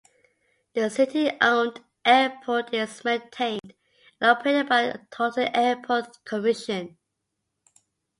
The city-owned airport is maintained and operated by the Taunton Airport Commission.